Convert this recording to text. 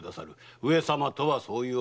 上様とはそういうお方だ。